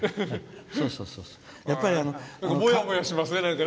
もやもやしますね。